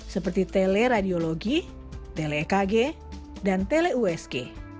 seperti teleradiologi tele kg dan tele usg